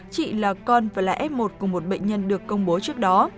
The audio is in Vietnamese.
chị là con và là f một của một bệnh nhân được công bố trước đó